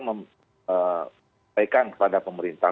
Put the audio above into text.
mereka kepada pemerintah